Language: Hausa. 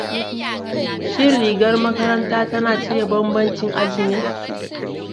Shin rigar makaranta tana cire banbancin aji ne?